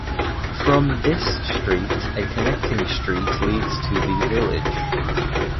From this street a connecting street leads to the village.